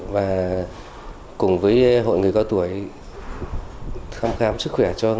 và cùng với hội người cao tuổi thăm khám sức khỏe cho người cao tuổi